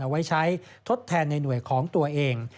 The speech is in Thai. ไว้ใช้ทดแทนในหน่วยของตัวเอง